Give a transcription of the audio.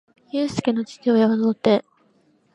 ゆうすけの父親は童貞